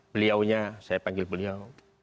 beliaunya saya panggil beliau